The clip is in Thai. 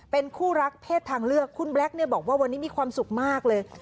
เป็นคู่รักเพศทางเลือกคุณแบล็คเนี่ยบอกว่าวันนี้มีความสุขมากเลย